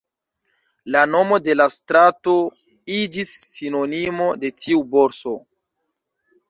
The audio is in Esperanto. La nomo de la strato iĝis sinonimo de tiu borso.